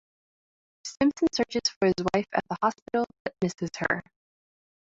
Stimpson searches for his wife at the hospital, but misses her.